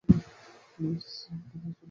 Please আপনাদের আসন গ্রহণ করুন।